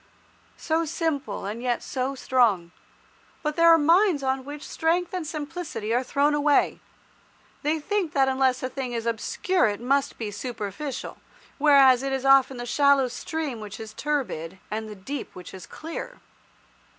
So simple, and yet so strong. But there are minds on which strength and simplicity are thrown away. They think that unless a thing is obscure it must be superficial, whereas it is often the shallow stream which is turbid, and the deep which is clear.